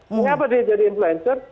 mengapa dia jadi influencer